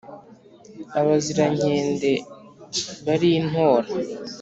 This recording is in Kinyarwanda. Abazirankende bari i Ntora